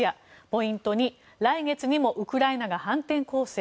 ポイント２来月にもウクライナが反転攻勢？